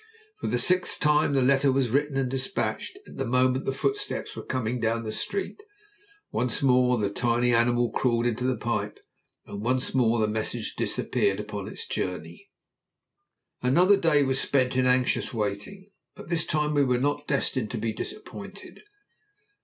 For the sixth time the letter was written and despatched at the moment the footsteps were coming down the street. Once more the tiny animal crawled into the pipe, and once more the message disappeared upon its journey. Another day was spent in anxious waiting, but this time we were not destined to be disappointed.